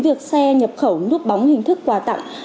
việc xe nhập khẩu núp bóng hình thức quà tặng